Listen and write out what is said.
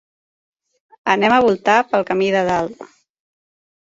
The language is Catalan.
Anem a voltar pel camí de dalt.